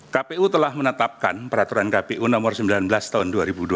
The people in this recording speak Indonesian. kpu telah menetapkan peraturan kpu nomor sembilan belas tahun dua ribu dua puluh